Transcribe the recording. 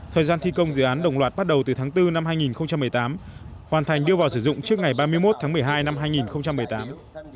thời gian thi công dự án đồng loạt bắt đầu từ tháng bốn năm hai nghìn một mươi tám hoàn thành đưa vào sử dụng trước ngày ba mươi một tháng một mươi hai năm hai nghìn một mươi tám